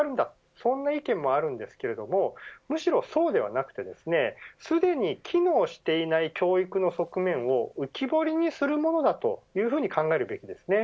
そんな意見もあるんですけれどもむしろそうではなくてですねすでに機能している教育の側面を浮き彫りにするものだというふうに考えるべきですね。